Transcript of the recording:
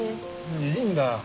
いいんだ。